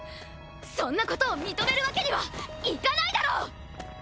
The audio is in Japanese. そんなことを認めるわけにはいかないだろ！